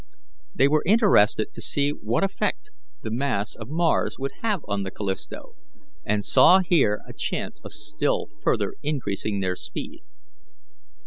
They were interested to see what effect the mass of Mars would have on the Callisto, and saw here a chance of still further increasing their speed.